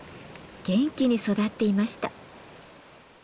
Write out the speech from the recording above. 元気に育っていました。